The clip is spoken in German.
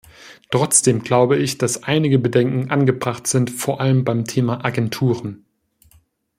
Trotzdem glaube ich, dass einige Bedenken angebracht sind, vor allem beim Thema Agenturen.